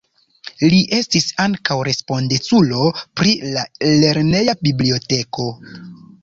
Li estis ankaŭ respondeculo pri la lerneja biblioteko.